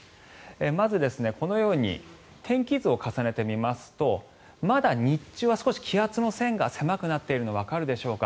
まず、このように天気図を重ねてみますとまだ日中は少し気圧の線が狭くなっているのがわかるでしょうか。